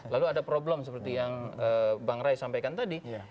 lalu ada problem seperti yang bang ray sampaikan tadi